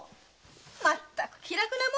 まったく気楽なもんだね。